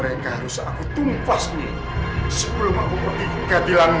mereka harus aku tumpas nih sebelum aku pergi keadilan